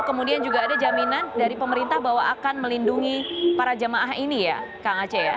kemudian juga ada jaminan dari pemerintah bahwa akan melindungi para jemaah ini ya kang aceh ya